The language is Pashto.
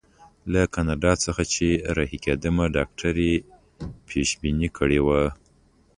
له کاناډا څخه چې رهي کېدم ډاکټر یې پېشبیني کړې وه.